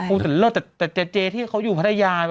โอ้โหเล่นแล้วแต่เจ๊ที่เขาอยู่พัทยา